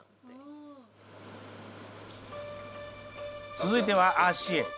続いては足へ。